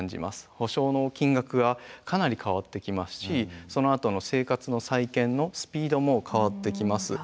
補償の金額がかなり変わってきますしそのあとの生活の再建のスピードも変わってきます。